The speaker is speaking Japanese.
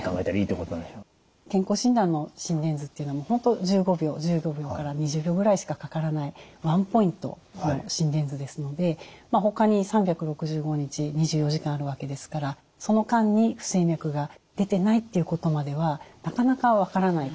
健康診断の心電図というのは本当１５秒から２０秒ぐらいしかかからないワンポイントの心電図ですのでほかに３６５日２４時間あるわけですからその間に不整脈が出てないということまではなかなか分からない。